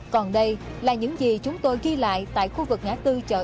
còn đây là những gì chúng tôi ghi lại tại khu vực ngã tư chợ